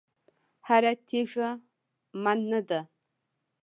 هره تېږه من نه ده.